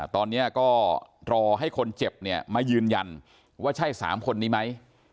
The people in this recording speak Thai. ตอนนี้ก็รอให้คนเจ็บเนี่ยมายืนยันว่าใช่๓คนนี้ไหม